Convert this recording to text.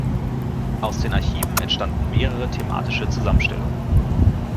Aus den Archiven entstanden mehrere thematische Zusammenstellungen.